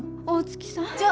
大月さん？